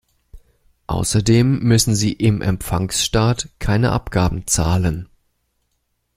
Außerdem müssen sie im Empfangsstaat keine Abgaben zahlen.